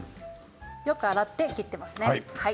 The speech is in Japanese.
よく洗って切っていますね。